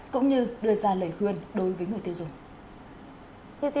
cũng như đưa ra lời khuyên đối với người tiêu dùng